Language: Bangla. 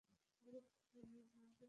বরফ ছাড়া আমরা বাঁচব কীভাবে?